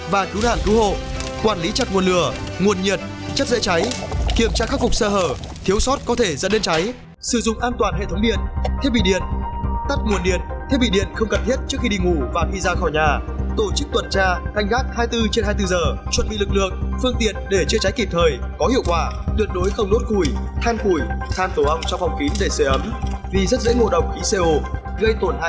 vì rất dễ ngộ động khí co gây tổn hại sức khỏe và tính mạng